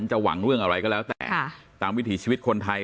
หวังเรื่องอะไรก็แล้วแต่ตามวิถีชีวิตคนไทย